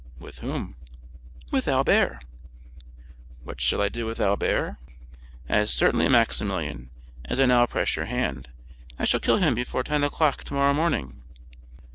"With whom?" "With Albert." "What shall I do with Albert? As certainly, Maximilian, as I now press your hand, I shall kill him before ten o'clock tomorrow morning."